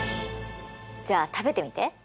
じゃあ食べてみて。